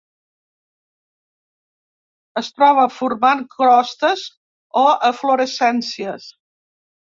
Es troba formant crostes o eflorescències.